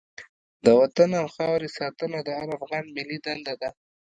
د وطن او خاورې ساتنه د هر افغان ملي دنده ده.